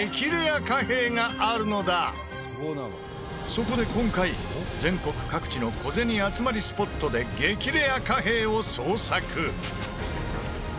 そこで今回全国各地の小銭集まりスポットで激レア貨幣を捜索！